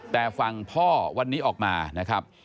แต่ฝั่งพ่อวันนี้ออกมานะครับ